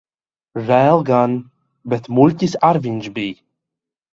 Žēl gan. Bet muļķis ar viņš bij.